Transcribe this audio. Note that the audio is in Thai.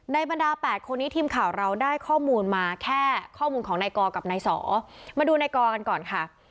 บรรดา๘คนนี้ทีมข่าวเราได้ข้อมูลมาแค่ข้อมูลของนายกอกับนายสอมาดูนายกอกันก่อนค่ะ